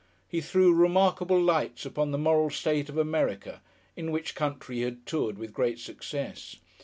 He threw remarkable lights upon the moral state of America in which country he had toured with great success.